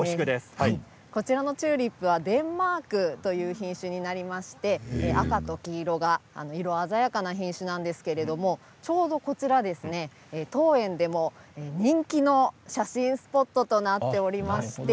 こちらのチューリップはデンマークという品種になりまして赤と黄色が色鮮やかな品種なんですけれどもちょうどこちら当園でも人気の写真スポットとなっております。